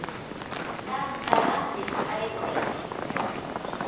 tanta rantiq ayway.